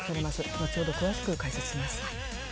後ほど詳しく解説します。